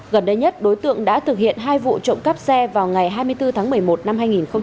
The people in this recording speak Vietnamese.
gần đây nhất đối tượng đã thực hiện hai vụ trộm cắp xe vào ngày hai mươi bốn tháng một mươi một năm hai nghìn hai mươi ba